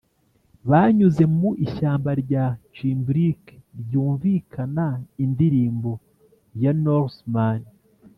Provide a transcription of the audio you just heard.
banyuze mu ishyamba rya cimbric ryumvikana indirimbo ya norseman,